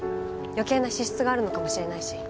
余計な支出があるのかもしれないし。